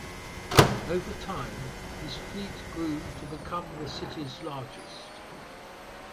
Over time, his fleet grew to become the city's largest.